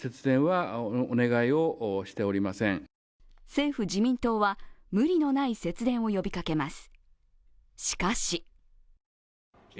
政府自民党は無理のない節電を呼びかけます。